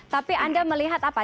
tapi anda melihat apa